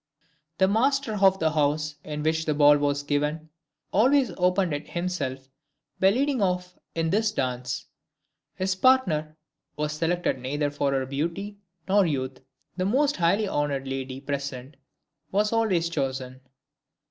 The master of the house in which the ball was given, always opened it himself by leading off in this dance. His partner was selected neither for her beauty, nor youth; the most highly honored lady present was always chosen.